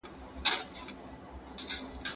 ¬ په يوه ماهي ټوله تالاو مردارېږي.